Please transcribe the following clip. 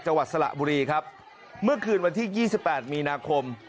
จังหวัดสระบุรีครับเมื่อคืนวันที่๒๘มีนาคม